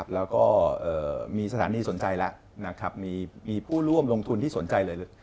แล้วก็มีสถานีสนใจแล้วนะครับมีผู้ร่วมลงทุนที่สนใจเลย